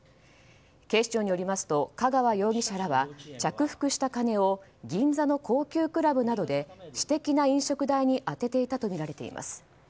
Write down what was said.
警視庁によりますと香川容疑者らは着服した金を銀座の高級クラブなどで私的な飲食代に充てていたとみられています。